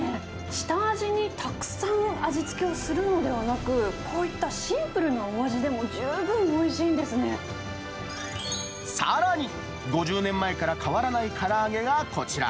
下味にたくさん味つけをするのではなく、こういったシンプルなおさらに、５０年前から変わらないから揚げがこちら。